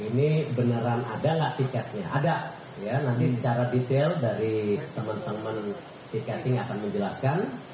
ini beneran ada nggak tiketnya ada ya nanti secara detail dari teman teman tiketing akan menjelaskan